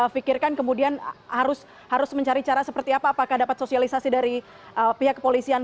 fikirkan kemudian harus mencari cara seperti apa apakah dapat sosialisasi dari pihak kepolisian